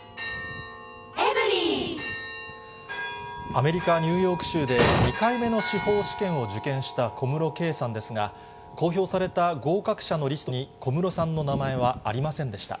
アメリカ・ニューヨーク州で、２回目の司法試験を受験した小室圭さんですが、公表された合格者のリストに、小室さんの名前はありませんでした。